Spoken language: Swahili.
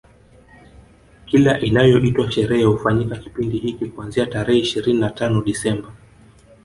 Kila inayoitwa sherehe hufanyika kipindi hiki kuanzia tarehe ishirini na tano Desemba